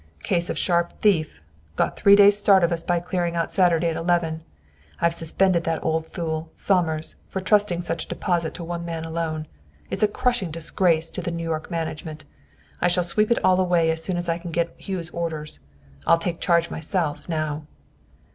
"Case of sharp thief, got three days' start of us by clearing out Saturday at eleven. I've suspended that old fool, Somers, for trusting such a deposit to one man alone! It's a crushing disgrace to the New York management. I shall sweep it all away as soon as I can get Hugh's orders. I'll take charge myself, now!